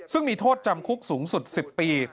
ซึ่งมีโทษจำคุกสูงสุด๑๐ปี